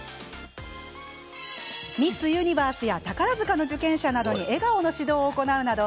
ミスユニバースや宝塚の受験者などに笑顔の指導を行うなど